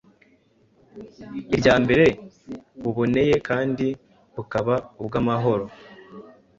irya mbere buboneye kandi bukaba ubw’amahoro